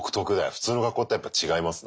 普通の学校とやっぱ違いますな。